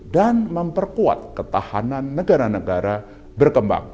dan memperkuat ketahanan negara negara berkembang